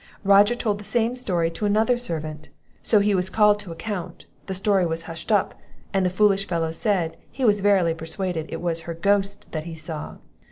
Roger told the same story to another servant; so he was called to an account, the story was hushed up, and the foolish fellow said, he was verily persuaded it was her ghost that he saw.